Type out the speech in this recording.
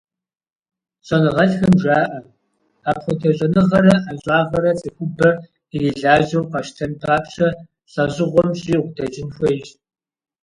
Щӏэныгъэлӏхэм жаӏэ: апхуэдэ щӏэныгъэрэ ӏэщӏагъэрэ цӏыхубэр ирилажьэу къащтэн папщӏэ, лӏэщӏыгъуэм щӏигъу дэкӏын хуейщ.